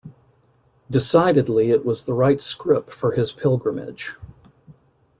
Decidedly it was the right scrip for his pilgrimage.